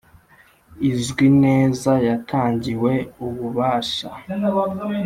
izwi neza yatangiwe ububasha.